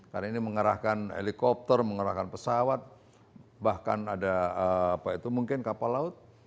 karena ini mengarahkan helikopter mengarahkan pesawat bahkan ada apa itu mungkin kapal laut